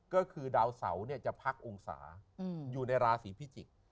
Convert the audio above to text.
ก็คือดาวเสาจะพักองศาอยู่ในราศีพิจิกษ์